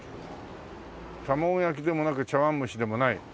「玉子焼きでもなく茶碗蒸しでもない」